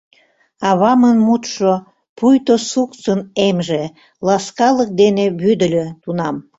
Авамын мутшо, пуйто суксын эмже, ласкалык дене вӱдыльö тунам.